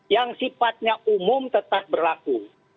yang sifatnya umum tetap berlaku